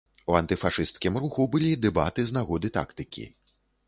У антыфашысцкім руху былі дэбаты з нагоды тактыкі.